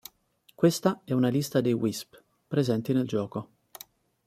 Questa è una lista dei Wisp presenti nel gioco.